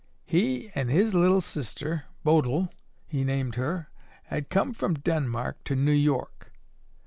He an' his little sister, Bodil, he named her, had come from Denmark to New York.